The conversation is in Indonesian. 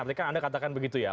artinya anda katakan begitu ya